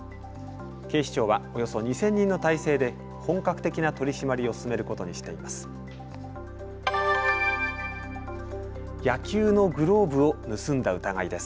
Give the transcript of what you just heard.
警視庁はおよそ２０００人の態勢で本格的な取締りを進めることにしています。